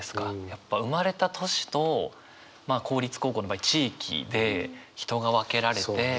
やっぱ生まれた年と公立高校の場合地域で人が分けられて。